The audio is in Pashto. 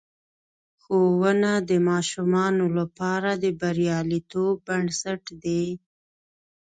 ښوونه د ماشومانو لپاره د بریالیتوب بنسټ دی.